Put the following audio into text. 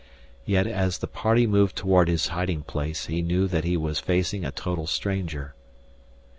Yet as the party moved toward his hiding place he knew that he was facing a total stranger.